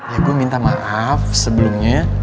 ya gue minta maaf sebelumnya